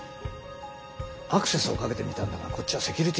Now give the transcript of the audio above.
アクセスをかけてみたんだがこっちはセキュリティーがガチのやつでな。